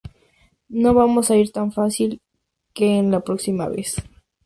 No vamos a ir tan fácil en que la próxima vez!".